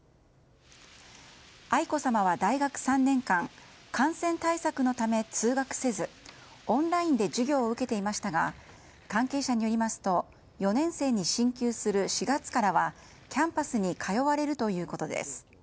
愛子さまは大学３年間感染対策のため通学せずオンラインで授業を受けていましたが関係者によりますと４年生に進級する４月からはキャンパスに通われるということです。